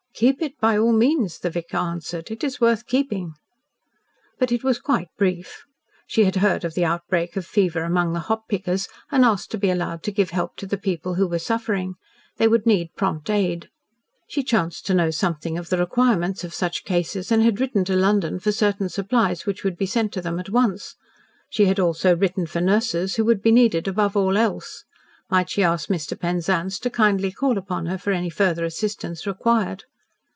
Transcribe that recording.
"Keep it by all means," the vicar answered. "It is worth keeping." But it was quite brief. She had heard of the outbreak of fever among the hop pickers, and asked to be allowed to give help to the people who were suffering. They would need prompt aid. She chanced to know something of the requirements of such cases, and had written to London for certain supplies which would be sent to them at once. She had also written for nurses, who would be needed above all else. Might she ask Mr. Penzance to kindly call upon her for any further assistance required.